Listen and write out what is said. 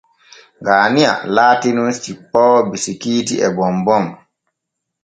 Gaaniya laati nun cippoowo bisikiiiti e bombom.